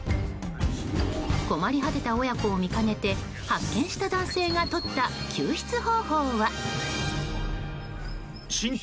困り果てた親子を見かねて発見した男性がとった救出方法は。